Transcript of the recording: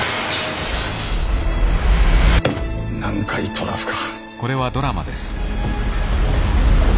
南海トラフか。